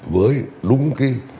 với đúng cái